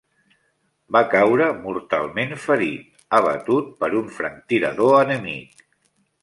Va caure mortalment ferit, abatut per un franctirador enemic.